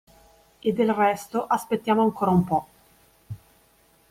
E del resto aspettiamo ancora un po'.